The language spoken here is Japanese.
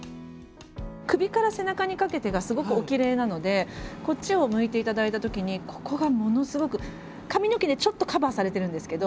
首から背中にかけてがすごくおきれいなのでこっちを向いていただいたときにここがものすごく髪の毛でちょっとカバーされてるんですけど。